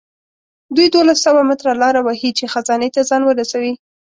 دوی دولس سوه متره لاره وهي چې خزانې ته ځان ورسوي.